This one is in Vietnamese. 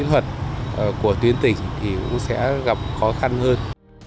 kỹ thuật của tuyến tỉnh thì cũng sẽ gặp khó khăn hơn